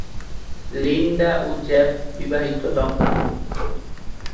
Linda ও Jeff বিবাহিত দম্পতি।